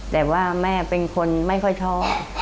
แต่ว่าแม่เป็นคนไม่ค่อยท้อ